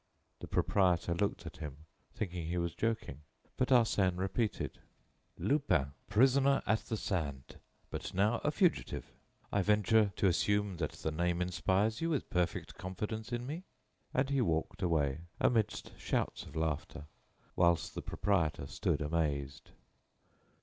The proprietor looked at him, thinking he was joking. But Arsène repeated: "Lupin, prisoner at the Santé, but now a fugitive. I venture to assume that the name inspires you with perfect confidence in me." And he walked away, amidst shouts of laughter, whilst the proprietor stood amazed.